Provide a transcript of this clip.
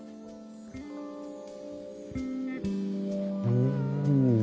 うん。